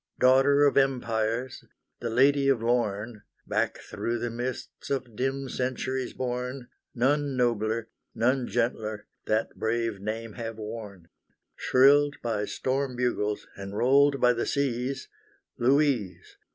Daughter of Empires, the Lady of Lorne, Back through the mists of dim centuries borne, None nobler, none gentler that brave name have worn; Shrilled by storm bugles, and rolled by the seas, Louise!